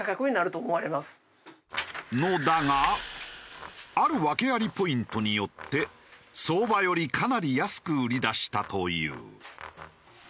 のだがある訳ありポイントによって相場よりかなり安く売り出したという。